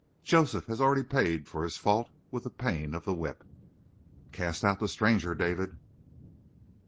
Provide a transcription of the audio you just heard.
Joseph has already paid for his fault with the pain of the whip." "Cast out the stranger, David."